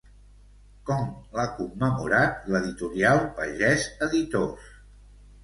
Com l'ha commemorat l'editorial Pagès Editors?